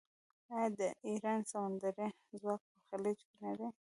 آیا د ایران سمندري ځواک په خلیج کې نه دی؟